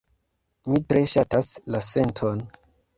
Mi tre ŝatas la senton.